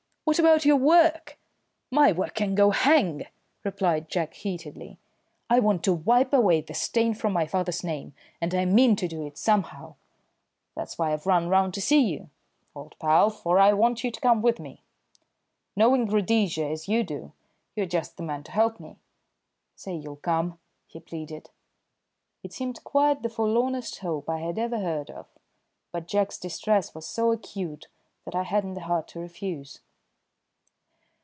"What about your work?" "My work can go hang!" replied Jack heatedly. "I want to wipe away the stain from my father's name, and I mean to do it somehow. That's why I've run round to see you, old pal, for I want you to come with me. Knowing Rhodesia as you do, you're just the man to help me. Say you'll come?" he pleaded. It seemed quite the forlornest hope I had ever heard of, but Jack's distress was so acute that I hadn't the heart to refuse.